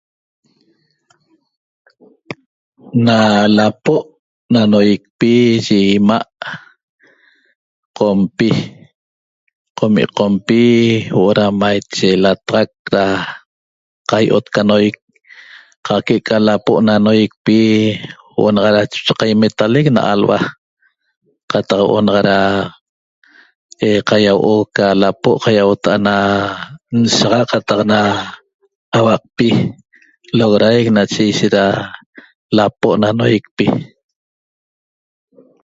Na lapo' na noyicpi yi ima' qompi qomi qompi huo'o da maiche lataxac da qai'ot ca noyic qa que'eca lapo' na noyicpi huo'o naxa da choche qaimetalec na alhua qataq huo'o naxa da eh qayahuo'o ca lapo' qayahuota'a na nshaxa qataq na 'auaqpi loxodaic nache ishet da lapo' na noyicpi